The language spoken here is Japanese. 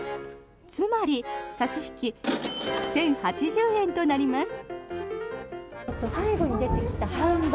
つまり差し引き１０８０円となります。